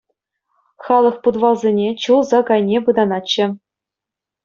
Халӑх путвалсене, чул сак айне пытанатчӗ.